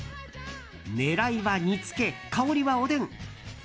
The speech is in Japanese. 狙いは煮つけ、香りはおでん。